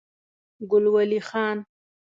ګل ولي خان